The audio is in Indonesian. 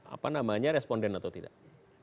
apa namanya responden atau tidak